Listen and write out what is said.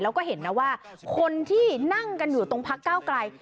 แล้วก็เห็นนะว่าคนที่นั่งกันอยู่ตรงพักเก้าไกล